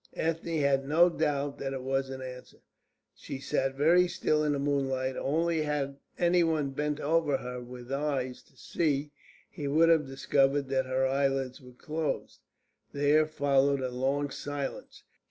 Ethne had no doubt that it was an answer. She sat very still in the moonlight; only had any one bent over her with eyes to see, he would have discovered that her eyelids were closed. There followed a long silence.